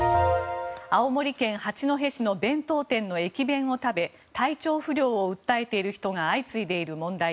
青森県八戸市の弁当店の駅弁を食べ体調不良を訴えている人が相次いでいる問題。